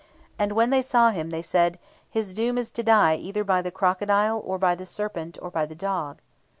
And when they saw him, they said, "His doom is to die either by the crocodile, or by the serpent, or by the dog."